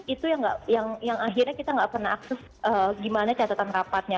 itu yang akhirnya kita nggak pernah akses gimana catatan rapatnya